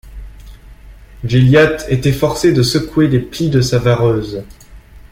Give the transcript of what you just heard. Gilliatt était forcé de secouer les plis de sa vareuse.